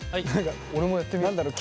俺もやってみよう。